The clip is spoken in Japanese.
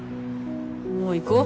もう行こう。